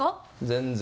全然。